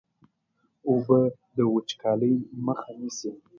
اوبه د وچکالۍ مخه نیسي.